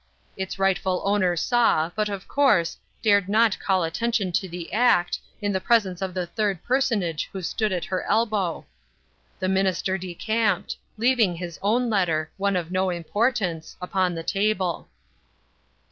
Its rightful owner saw, but, of course, dared not call attention to the act, in the presence of the third personage who stood at her elbow. The minister decamped; leaving his own letter—one of no importance—upon the table."